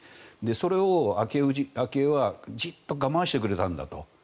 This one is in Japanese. それを昭恵はじっと我慢してくれたんだと。